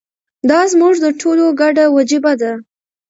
دا زموږ د ټولو ګډه وجیبه ده.